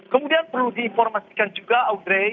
kemudian perlu diinformasikan juga audrey